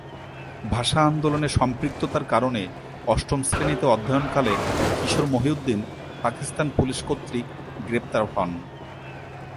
ভাষা আন্দোলনে সম্পৃক্ততার কারণে অষ্টম শ্রেণিতে অধ্যয়নকালে কিশোর মহিউদ্দিন পাকিস্তান পুলিশ কর্তৃক গ্রেপ্তার হন।